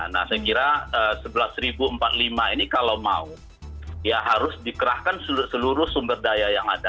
nah saya kira sebelas empat puluh lima ini kalau mau ya harus dikerahkan seluruh sumber daya yang ada